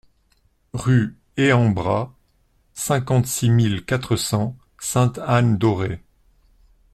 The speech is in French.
Rue Ehen Bras, cinquante-six mille quatre cents Sainte-Anne-d'Auray